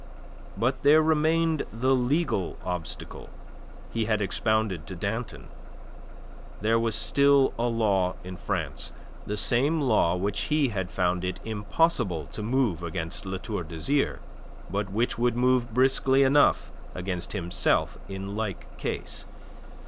But there remained the legal obstacle he had expounded to Danton. There was still a law in France; the same law which he had found it impossible to move against La Tour d'Azyr, but which would move briskly enough against himself in like case.